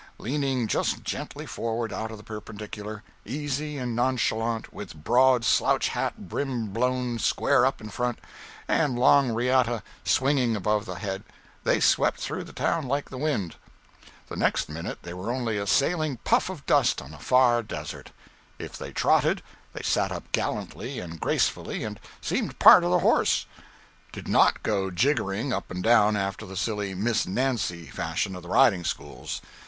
Leaning just gently forward out of the perpendicular, easy and nonchalant, with broad slouch hat brim blown square up in front, and long riata swinging above the head as they swept through the town like the wind! The next minute they were only a sailing puff of dust on the far desert. If they trotted, they sat up gallantly and gracefully, and seemed part of the horse; did not go jiggering up and down after the silly Miss Nancy fashion of the riding schools.